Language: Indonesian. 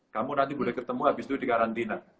kamu nanti boleh ketemu habis itu dikarantina